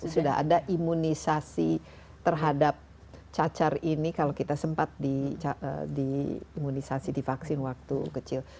sudah ada imunisasi terhadap cacar ini kalau kita sempat diimunisasi di vaksin waktu kecil